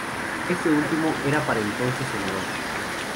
Este último era para entonces senador.